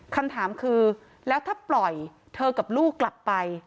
คำถามคือแล้วถ้าปล่อยเธอกับลูกกลับไป